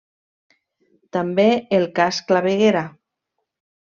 També el cas Claveguera.